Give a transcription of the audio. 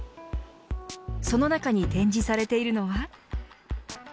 その中に展示されているのは。